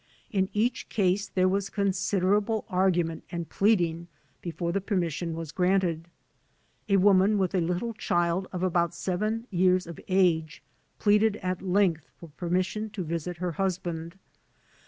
In each case there was considerable argument and pleading before the permission was granted. A woman with a little child of about seven years of age, pleaded at length for permission to visit her husband.